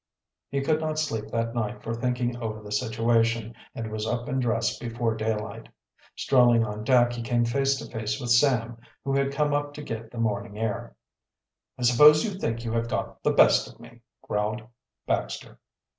He could not sleep that night for thinking over the situation and was up and dressed before daylight. Strolling on deck, he came face to face with Sam, who had come up to get the morning air. "I suppose you think you have got the best of me," growled Baxter.